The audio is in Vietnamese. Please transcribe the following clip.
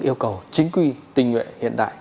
yêu cầu chính quy tình nguyện hiện đại